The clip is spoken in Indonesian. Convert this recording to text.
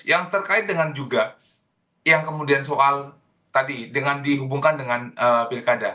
yang terkait dengan juga yang kemudian soal tadi dengan dihubungkan dengan pilkada